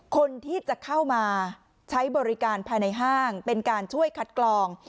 คนที่จะเข้ามาใช้บริการภายในห้างเป็นการช่วยคัดกรอง